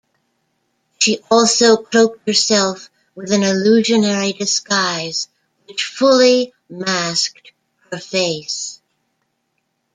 She also cloaked herself with an illusionary disguise which fully masked her face.